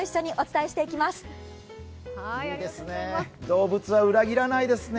動物は裏切らないですね。